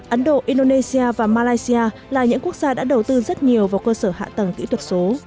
ấn độ indonesia và malaysia là những quốc gia đã đầu tư rất nhiều vào cơ sở hạ tầng kỹ thuật số